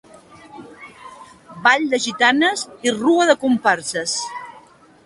Ball de gitanes i Rua de comparses.